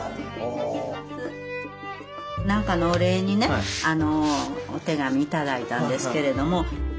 なんかのお礼にねお手紙頂いたんですけれども。